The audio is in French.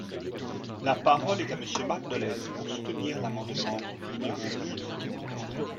La parole est à Monsieur Marc Dolez, pour soutenir l’amendement numéro mille trente-huit.